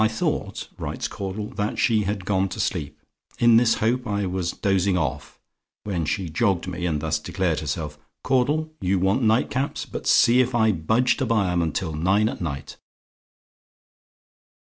"I thought," writes Caudle, "that she had gone to sleep. In this hope, I was dozing off when she jogged me, and thus declared herself: 'Caudle, you want nightcaps; but see if I budge to buy 'em till nine at night!"